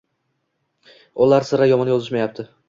Ular sira yomon yozishmayapti.